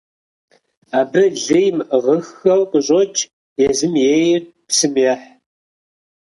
Абы лы имыӀыгъыххэу къыщӀокӀ, езым ейр псым ехь.